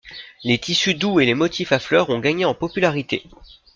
Les tissus doux et les motifs à fleurs ont gagné en popularité.